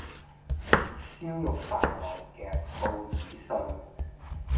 燒肉飯內夾報紙碎